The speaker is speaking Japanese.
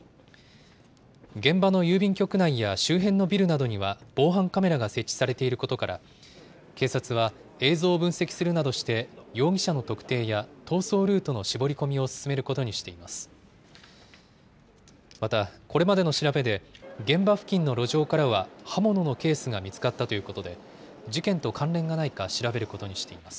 現場の郵便局内や周辺のビルなどには防犯カメラが設置されていることから、警察は映像を分析するなどして、容疑者の特定や逃走ルートの絞り込みを進めることにしています。